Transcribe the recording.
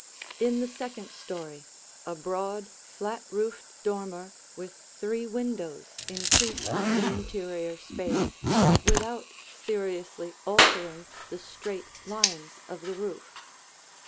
In the second story, a broad flat roofed dormer with three windows increased the interior space, without seriously altering the straight lines of the roof.